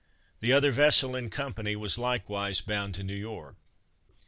The other vessel in company was likewise bound to New York.